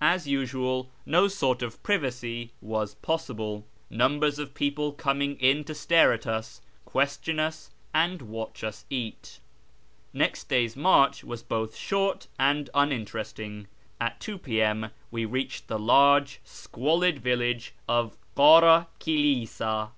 As usual, no sort of privacy was possible, numbers of people coming in to stare at us, question us, and watch us eat. Next day's march was both short and uninteresting. At 2 P.M. we reached the large squalid village of Kara Kilisa.